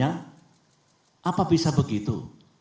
apa bisa begitu